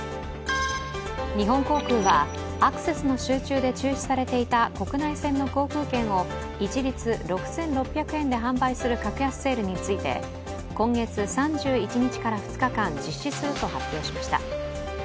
日本航空は、アクセスの集中で中止されていた国内線の航空券を一律６６００円で販売する格安セールについて今月３１日から２日間実施すると発表しました。